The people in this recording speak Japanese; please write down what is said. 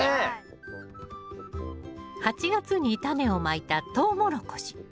８月にタネをまいたトウモロコシ。